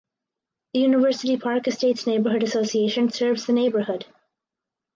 The University Park Estates Neighborhood Association serves the neighborhood.